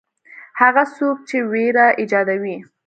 هغه څوک چې وېره ایجادوي.